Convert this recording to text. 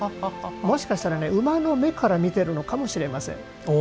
もしかしたら馬の目から見ているのかもしれません。